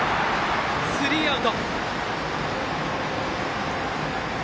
スリーアウト。